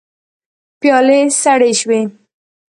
پيالې سړې شوې.